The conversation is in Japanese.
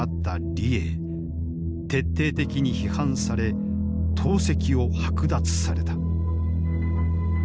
徹底的に批判され党籍を剥奪された。